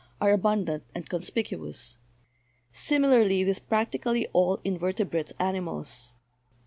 are abundant and conspicuous. Similarly with practically all invertebrate animals.